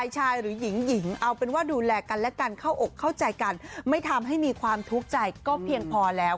ชายหรือหญิงหญิงเอาเป็นว่าดูแลกันและกันเข้าอกเข้าใจกันไม่ทำให้มีความทุกข์ใจก็เพียงพอแล้ว